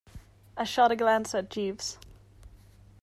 I shot a glance at Jeeves.